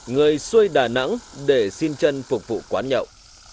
người xuôi đà nẵng để xin chân phục vụ quán nhậu